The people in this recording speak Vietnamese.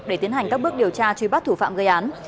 để tiến hành các bước điều tra truy bắt thủ phạm gây án